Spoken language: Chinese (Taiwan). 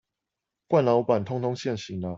慣老闆通通現形啦